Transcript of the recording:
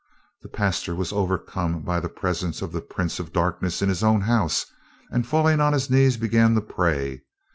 The pastor was overcome by the presence of the prince of darkness in his own house, and, falling on his knees, began to pray.